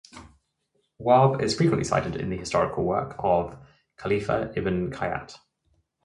Wahb is frequently cited in the historical work of Khalifa ibn Khayyat.